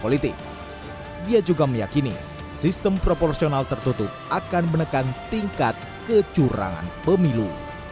politik dia juga meyakini sistem proporsional tertutup akan menekan tingkat kecurangan pemilu